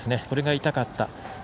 これが痛かった。